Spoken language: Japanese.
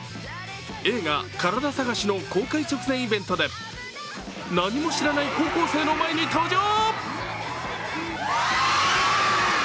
映画「カラダ探し」の公開直前イベントで何も知らない高校生の前に登場。